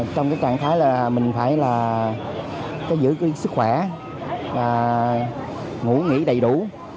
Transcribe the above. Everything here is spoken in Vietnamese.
trong trạng thái mình phải giữ sức khỏe ngủ nghỉ đầy đủ